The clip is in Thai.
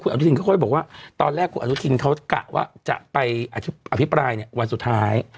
อนุทินก็ค่อยบอกว่าตอนแรกคุณอนุทินเขากะว่าจะไปอภิปรายเนี่ยวันสุดท้าย